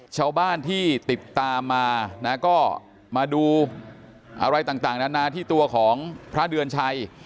ชาวบ้านที่ติดตามมานะก็มาดูอะไรต่างนานาที่ตัวของพระเดือนชัย